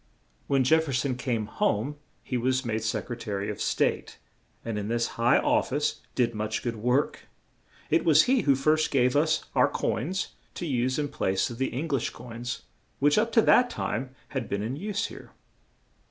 When Jef fer son came home he was made Sec re ta ry of State, and in this high of fice did much good work; it was he who first gave us our own coins to use in place of the Eng lish coins, which, up to that time had been in use here.